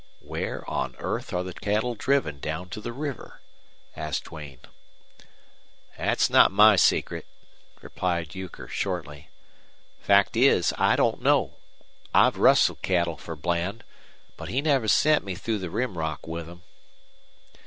"Where on earth are the cattle driven down to the river?" asked Duane. "Thet's not my secret," replied Euchre, shortly. "Fact is, I don't know. I've rustled cattle for Bland, but he never sent me through the Rim Rock with them."